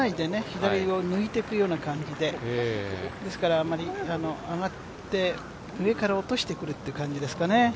左を抜いていくような感じで、ですから、あまり上がって上から落としてくるという感じですかね。